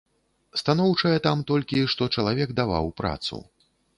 Станоўчае там, толькі што чалавек даваў працу.